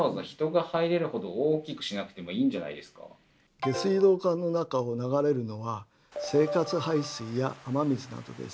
でも下水道管の中を流れるのは生活排水や雨水などです。